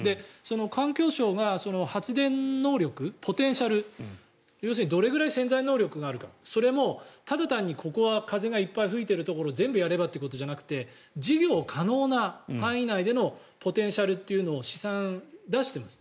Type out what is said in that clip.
環境省が発電能力、ポテンシャル要するにどれくらい潜在能力があるかそれもただ単に、ここは風がいっぱい吹いているところ全部やればということではなくて事業可能な範囲内でのポテンシャルというのを試算出してるんです。